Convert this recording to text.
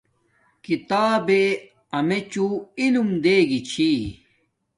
کتابے امیچوں علم دے گی چھی